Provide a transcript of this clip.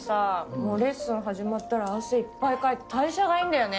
もうレッスン始まったら汗いっぱいかいて代謝がいいんだよね。